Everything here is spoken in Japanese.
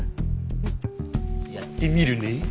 うんやってみるね。